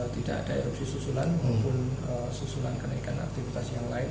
tidak ada erupsi susulan maupun susulan kenaikan aktivitas yang lain